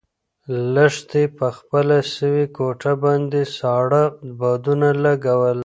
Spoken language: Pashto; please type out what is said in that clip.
لښتې په خپله سوې ګوته باندې ساړه بادونه لګول.